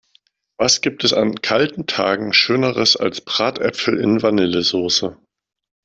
Was gibt es an kalten Tagen schöneres als Bratäpfel in Vanillesoße!